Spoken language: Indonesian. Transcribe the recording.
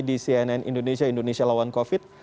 di cnn indonesia indonesia lawan covid sembilan belas